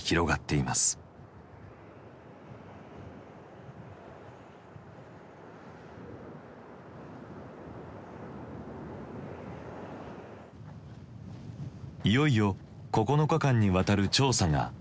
いよいよ９日間にわたる調査が始まります。